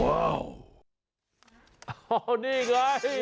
อ้าวนี่ไง